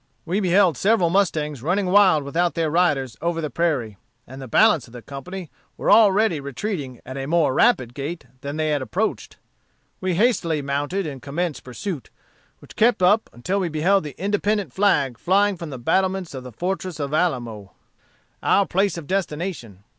We beheld several mustangs running wild without their riders over the prairie, and the balance of the company were already retreating at a more rapid gait than they approached. We hastily mounted and commenced pursuit, which we kept up until we beheld the independent flag flying from the battlements of the fortress of Alamo, our place of destination.